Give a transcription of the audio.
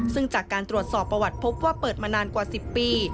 ซึ่งจากการตรวจสอบประวัติพบว่าเปิดมานานกว่า๑๐ปี